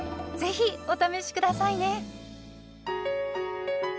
ぜひお試し下さいね。